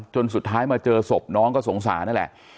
จนสุดท้ายมาเจอศพน้องก็สงสารนั่นแหละ